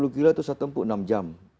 enam puluh kilo itu saya tempuh enam jam